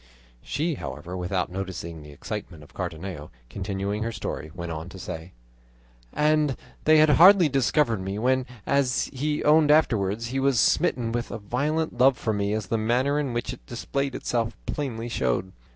She, however, without noticing the excitement of Cardenio, continuing her story, went on to say: "And they had hardly discovered me, when, as he owned afterwards, he was smitten with a violent love for me, as the manner in which it displayed itself plainly showed.